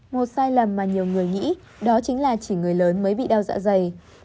một sai lầm mà nhiều người nghĩ đó chính là chỉ người lớn mới bị đau dạ dày